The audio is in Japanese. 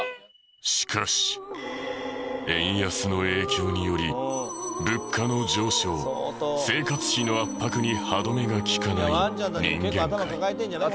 しかし円安の影響により物価の上昇生活費の圧迫に歯止めが利かない人間界。